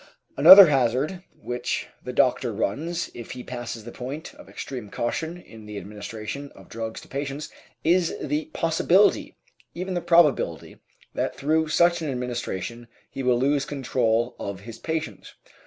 Another hazard which the doctor runs, if he passes the point of extreme caution in the administration of drugs to patients, is the possibility, even the probability, that through such an administration he will lose control of his patients.